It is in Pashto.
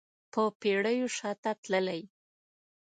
په پیړیو شاته تللی